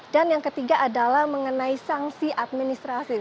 dan yang ketiga adalah mengenai sanksi administrasi